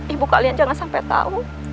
ibu kalian jangan sampai tahu